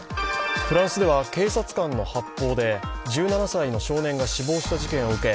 フランスでは警察官の発砲で１７歳の少年が死亡した事件を受け